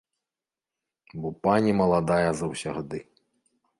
Бо пані маладая заўсягды.